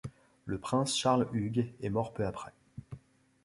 Le prince Charles-Hugues est mort peu après.